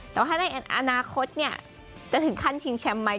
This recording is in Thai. แต่ว่าถ้าในอนาคตจะถึงขั้นชิงแชมป์ไหม